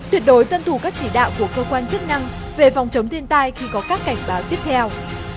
tuyệt đối tuân thủ các chỉ đạo của cơ quan chức năng về phòng chống thiên tai khi có các cảnh báo tiếp theo